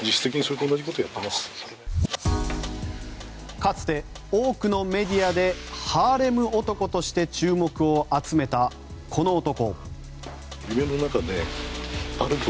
かつて、多くのメディアでハーレム男として注目を集めたこの男。